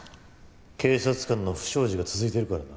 警察官の不祥事が続いてるからな。